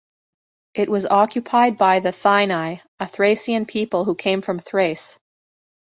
It was occupied by the Thyni, a Thracian people who came from Thrace.